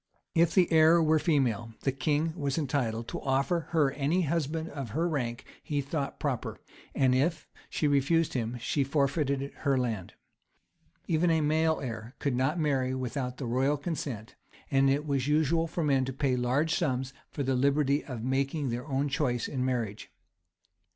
[] If the heir were a female, the king was entitled to offer her any husband of her rank he thought proper; and if she refused him, she forfeited her land. Even a male heir could not marry without the royal consent; and it was usual for men to pay large sums for the liberty of making their own choice in marriage.